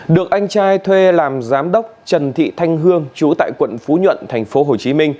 được anh trai thuê làm giám đốc trần thị thanh hương chú tại quận phú nhuận tp hcm